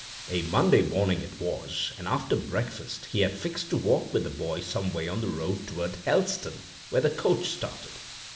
A Monday morning it was, and after breakfast he had fixed to walk with the boy some way on the road toward Helston, where the coach started.